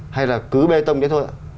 hay là cứ bê tông đấy thôi